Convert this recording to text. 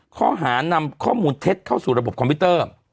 ข้อหานำข้อมูลเท็จเข้าสู่ระบบคอมพิวเตอร์